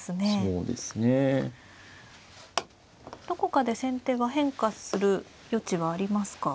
どこかで先手が変化する余地はありますか。